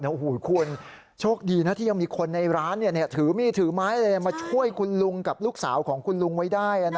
โอ้โหคุณโชคดีนะที่ยังมีคนในร้านถือมีดถือไม้อะไรมาช่วยคุณลุงกับลูกสาวของคุณลุงไว้ได้